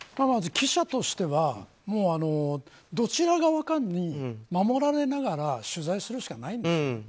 まず記者としてはどちら側かに守られながら取材するしかないんです。